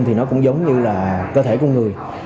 thì nó cũng giống như là cơ thể con người